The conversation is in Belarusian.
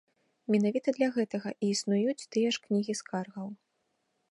Менавіта для гэтага і існуюць тыя ж кнігі скаргаў.